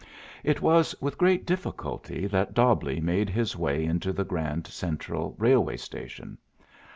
It was with great difficulty that Dobbleigh made his way into the Grand Central Railway Station.